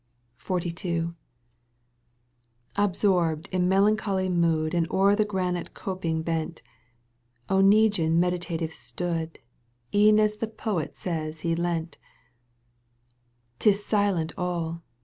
XUL Absorbed in melancholy mood And o'er the gramte coping bent, Oneguine meditative stood, E'en as the poet says he leant ^® Tis silent all